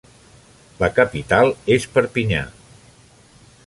La capital és Perpinyà.